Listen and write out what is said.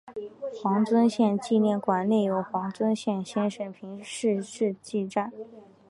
黄遵宪纪念馆内有黄遵宪生平事迹展。